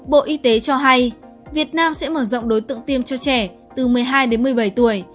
bộ y tế cho hay việt nam sẽ mở rộng đối tượng tiêm cho trẻ từ một mươi hai đến một mươi bảy tuổi